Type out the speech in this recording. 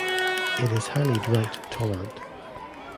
It is highly drought-tolerant.